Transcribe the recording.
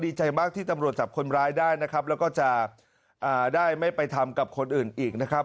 ดีใจมากที่ตำรวจจับคนร้ายได้นะครับแล้วก็จะได้ไม่ไปทำกับคนอื่นอีกนะครับ